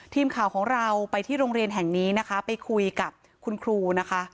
ทีมข่าวของเราไปที่โรงเรียนแห่งนี้นะคะไปคุยกับคุณครูนะคะ